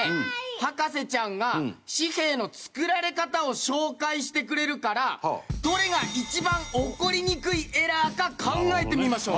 博士ちゃんが紙幣の作られ方を紹介してくれるからどれが一番起こりにくいエラーか考えてみましょう。